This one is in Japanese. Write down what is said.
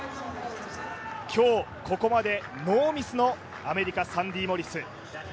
今日、ここまでノーミスのアメリカ、サンディ・モリス。